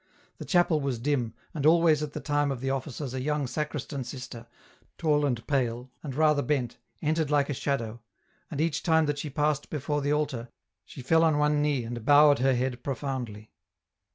The chapel was dim, and always at the time of the offices a young' sacristan sister, tall and pale, and rather bent, entered Hke a shadow, and each time that she passed before the altar she fell on one knee and bowed her head profoundly.